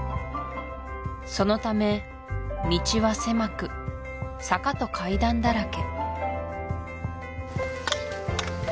そのため道は狭く坂と階段だらけ